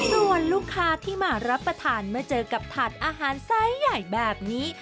ส่วนลูกค้าที่มารับประทานเมื่อเจอกับถาดอาหารไซส์ใหญ่แบบนี้